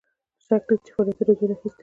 شک نسته چې فعالیتونو زور اخیستی وو.